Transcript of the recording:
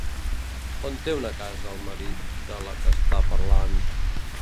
On té una casa el marit de la que està parlant?